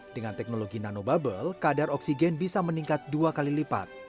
dengan teknologi nano bubble kadar oksigen bisa meningkat dua kali lipat